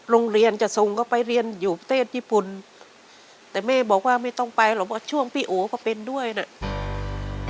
โรงเรียนจะส่งเขาไปเรียนอยู่ประเทศญี่ปุ่นแต่แม่บอกว่าไม่ต้องไปหรอกเพราะช่วงพี่โอก็เป็นด้วยน่ะอืม